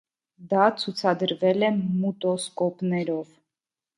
Դա ցուցադրվել է մուտոսկոպներով։